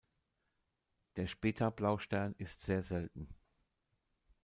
Der Speta-Blaustern ist sehr selten.